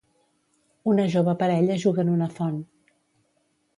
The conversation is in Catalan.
Una jove parella juga en una font.